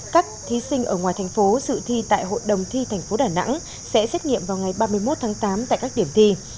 các thí sinh ở ngoài thành phố dự thi tại hội đồng thi tp đà nẵng sẽ xét nghiệm vào ngày ba mươi một tháng tám tại các điểm thi